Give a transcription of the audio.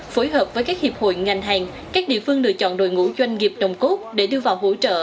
phối hợp với các hiệp hội ngành hàng các địa phương lựa chọn đội ngũ doanh nghiệp đồng cốt để đưa vào hỗ trợ